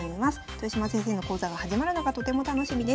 豊島先生の講座が始まるのがとても楽しみです。